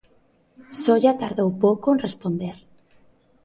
Solla tardou pouco en responder.